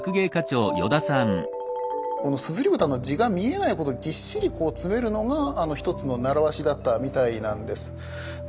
この硯蓋の地が見えないほどぎっしり詰めるのが一つの習わしだったみたいなんです。